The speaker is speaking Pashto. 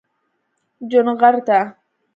چونغرته